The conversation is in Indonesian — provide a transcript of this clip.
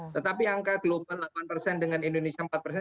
tetapi angka global delapan persen dengan indonesia empat persen